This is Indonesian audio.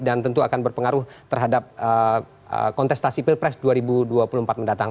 dan tentu akan berpengaruh terhadap kontestasi pilpres dua ribu dua puluh empat mendatang